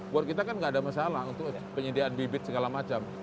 buat kita kan nggak ada masalah untuk penyediaan bibit segala macam